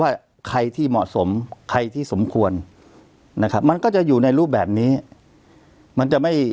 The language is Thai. ว่าใครที่เหมาะสมใครที่สมควรนะครับมันก็จะอยู่ในรูปแบบนี้มันจะไม่